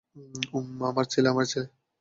ওম, আমার ছেলে, আমার ছেলে।